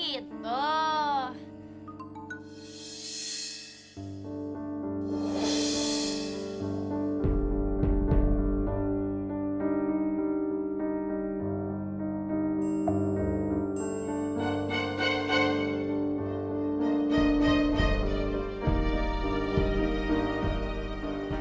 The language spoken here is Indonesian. ih kangen popular banget